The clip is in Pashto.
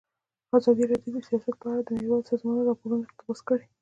ازادي راډیو د سیاست په اړه د نړیوالو سازمانونو راپورونه اقتباس کړي.